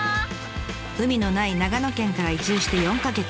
海のない長野県から移住して４か月。